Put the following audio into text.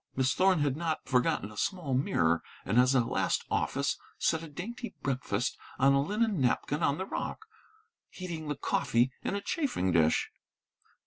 Miss Thorn had not forgotten a small mirror. And as a last office, set a dainty breakfast on a linen napkin on the rock, heating the coffee in a chafing dish.